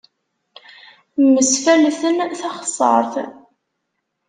Mmesfalten taxessaṛt.